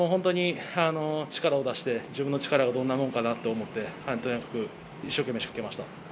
力を出して、自分の力がどんなもんかなと思って、一生懸命仕掛けました。